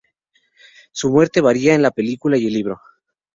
Su muerte varía en la película y el libro.